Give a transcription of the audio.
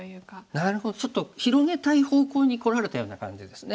なるほどちょっと広げたい方向にこられたような感じですね。